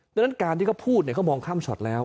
ดังนั้นการที่เขาพูดเขามองข้ามช็อตแล้ว